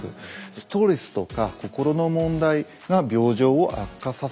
ストレスとか心の問題が病状を悪化させると。